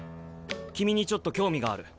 君にちょっと興味がある。